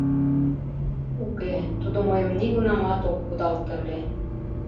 Уке, тудо мыйым нигунамат ок кудалте ыле.